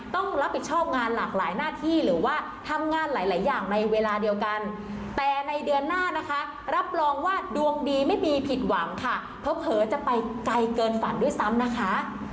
ต้องรับผิดชอบงานหลากหลายหน้าที่หรือว่าทำงานหลายอย่างในเวลาเดียวกันแต่ในเดือนหน้านะคะรับรองว่าดวงดีไม่มีผิดหวังค่ะเผลอจะไปไกลเกินฝันด้วยซ้ำนะคะ